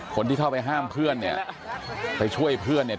คนที่เข้าไปห้ามเพื่อนเนี่ยไปช่วยเพื่อนเนี่ย